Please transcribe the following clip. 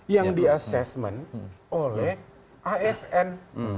yang di assessment oleh asn